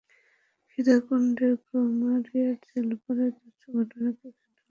সীতাকুণ্ডের কুমিরার জেলেপাড়ায় তুচ্ছ ঘটনাকে কেন্দ্র করে জেলেদের ওপর হামলা চালিয়েছে দুর্বৃত্তরা।